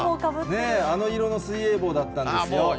あの色の水泳帽だったんですよ。